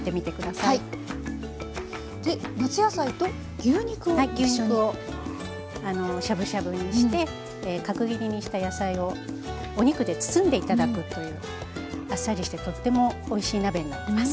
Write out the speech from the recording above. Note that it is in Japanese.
はい牛肉をしゃぶしゃぶにして角切りにした野菜をお肉で包んで頂くというあっさりしてとってもおいしい鍋になってます。